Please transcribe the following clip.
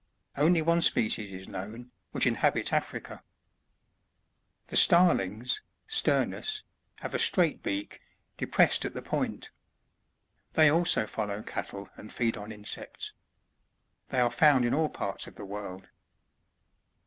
Only one species is known, which inhabits Africa. 70. The Starlingsy — iS/cmiw,— have a straight beak, depressed at the point. They also follow cattle and feed on insects. They are found in all parts of the world.